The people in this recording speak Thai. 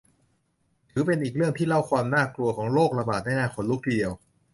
ถือเป็นอีกเรื่องที่เล่าความน่ากลัวของโรคระบาดได้น่าขนลุกทีเดียว